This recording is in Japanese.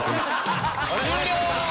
終了！